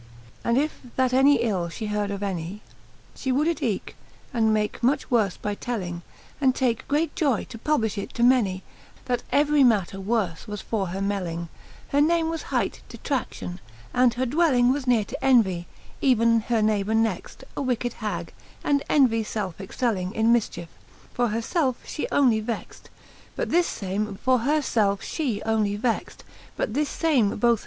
XXXV. And if that any ill fhe heard of any, She would it eeke, and make much worfe by telling, And take great joy to publifh it to many, That every matter worfe was for her melling. Her name was hight DetraEiion^ and her dwelling Was neare to Envie ^ even her neighbour next; A wicked hag, and Envy felfe excelling In mifchiefe : for her felfe fhe onely vext j But this fame both her felfe, and others eke perplext. XXXVI. Her 2.